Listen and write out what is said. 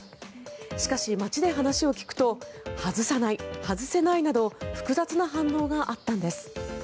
しかし、街で話を聞くと外さない、外せないなど複雑な反応があったんです。